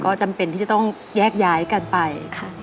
ก็จำเป็นที่จะต้องแยกย้ายกันไปค่ะ